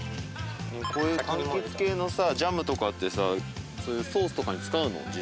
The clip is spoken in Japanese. こういうかんきつ系のさジャムとかってさソースとかに使うの？